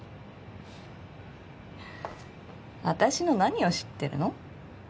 私の何を知ってるの？